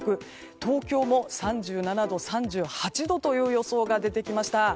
東京も３７度、３８度という予想が出てきました。